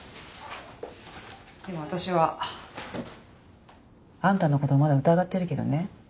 でも私はあんたの事まだ疑ってるけどね。